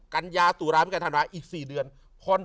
กัญญาตุราพิกัณฑ์ธาตุนวาคมอีก๔เดือน